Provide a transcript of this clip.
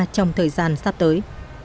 trong thời gian sắp tới